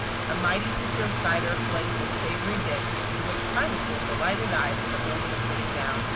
A mighty pitcher of cider flanked this savory dish, to which Primus rolled delighted eyes at the moment of sitting down.